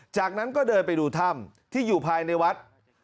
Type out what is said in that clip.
จากนั้นก็เดินไปดูถ้ำที่อยู่ภายในวัด